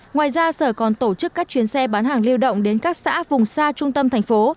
ngoài ra sở còn tổ chức các chuyến xe bán hàng lưu động đến các xã vùng xa trung tâm thành phố